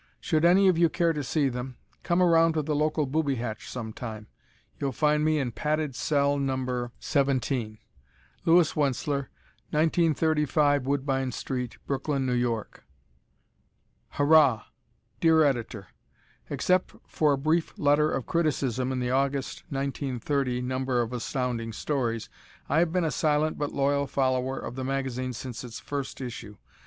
Should any of you care to see them, come around to the local booby hatch some time: you'll find me in Padded Cell No. 17. Louis Wentzler, 1935 Woodbine St., Brooklyn, N. Y. Hurrah! Dear Editor: Except for a brief letter of criticism in the August, 1930, number of Astounding Stories, I have been a silent but loyal follower of the magazine since its first issue.